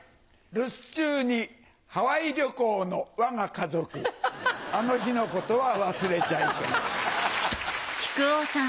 留守中にハワイ旅行のわが家族あの日の事は忘れちゃいけない。